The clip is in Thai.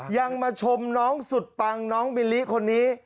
ยังมาชมน้องสุดปังน้องบิลลี่คนนี้